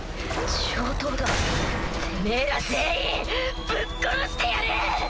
上等だてめぇら全員ぶっ殺してやる！